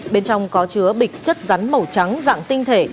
bên trong có chứa bịch chất rắn màu trắng dạng tinh thể